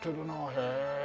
へえ。